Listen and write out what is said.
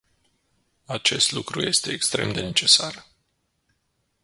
Acest lucru este extrem de necesar.